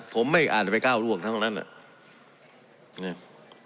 ผมไม่อาจจะไปก้าวร่วงทั้งนั้นอ่ะ